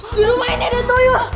dirumah ini ada tuyul